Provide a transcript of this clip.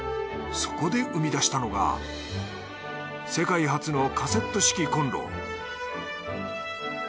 そこで生み出したのが世界初のカセット式こんろ